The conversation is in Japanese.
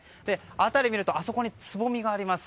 辺りを見るとあそこにつぼみがあります。